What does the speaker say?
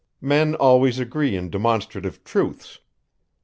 Men always agree in demonstrative truths.